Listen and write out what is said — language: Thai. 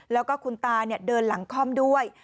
แล้วก็คุณตาเดินหลังคล่อมด้วย